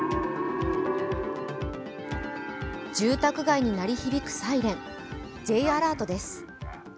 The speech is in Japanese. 住宅街に鳴り響くサイレン、Ｊアラートです。